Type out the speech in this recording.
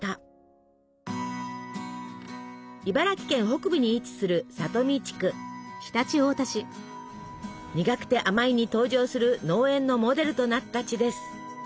茨城県北部に位置する「にがくてあまい」に登場する農園のモデルとなった地です。